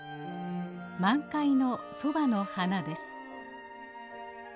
満開のソバの花です。